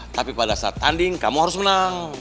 tapi pada saat tanding kamu harus menang